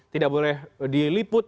tidak boleh diliput